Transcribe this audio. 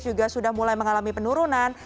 juga sudah mulai mengalami penurunan